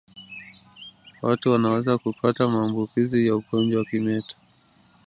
Watu wanaweza kupata maambukizi ya ugonjwa wa kimeta